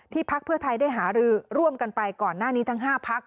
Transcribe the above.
พักเพื่อไทยได้หารือร่วมกันไปก่อนหน้านี้ทั้ง๕พัก